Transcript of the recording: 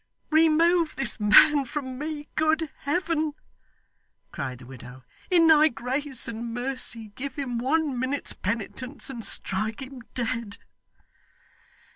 'Remove this man from me, good Heaven!' cried the widow. 'In thy grace and mercy, give him one minute's penitence, and strike him dead!